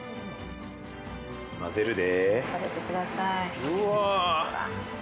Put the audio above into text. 混ぜるで。